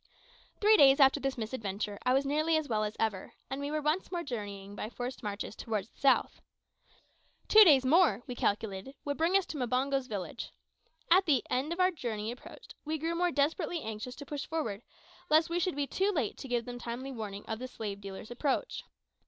Three days after this misadventure I was nearly as well as ever, and we were once more journeying by forced marches towards the south. Two days more, we calculated, would bring us to Mbango's village. As the end of our journey approached, we grew more desperately anxious to push forward, lest we should be too late to give them timely warning of the slave dealer's approach.